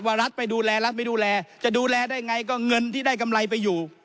รัฐไปดูแลรัฐไม่ดูแลจะดูแลได้ไงก็เงินที่ได้กำไรไปอยู่